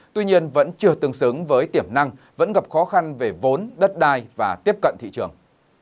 tuy nhiên vẫn chưa tương xứng với tiềm năng vẫn gặp khó khăn về vốn đất đai và tiếp cận thị trường